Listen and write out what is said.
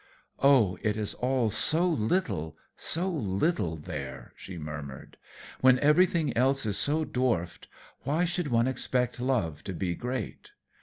"Oh, it is all so little, so little there," she murmured. "When everything else is so dwarfed, why should one expect love to be great?